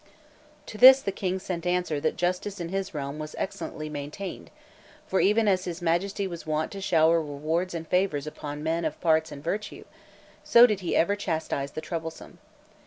To this the King sent answer that justice in his realm was excellently maintained; for even as his Majesty was wont to shower rewards and favours upon men of parts and virtue, so did he ever chastise the troublesome.